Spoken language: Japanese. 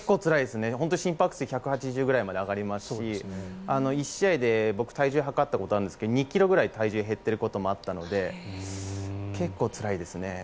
心拍数１８０ぐらいまで上がりますし１試合で僕、体重測ったことがあるんですけど２ｋｇぐらい減っていることもあったので結構つらいですね。